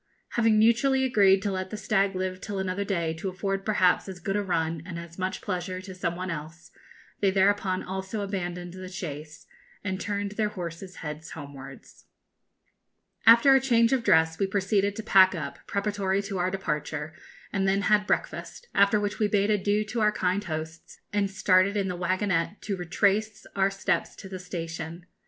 Having mutually agreed to let the stag live till another day to afford perhaps as good a run and as much pleasure to some one else, they thereupon also abandoned the chase, and turned their horses' heads homewards. After a change of dress, we proceeded to pack up, preparatory to our departure, and then had breakfast, after which we bade adieu to our kind hosts, and started in the waggonette to retrace our steps to the station.